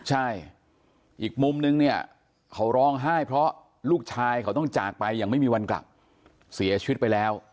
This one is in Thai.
ใช่อีกมุมนึงเนี่ยเขาร้องไห้เพราะลูกชายเขาต้องจากไปอย่างไม่มีวันกลับเสียชีวิตไปแล้ว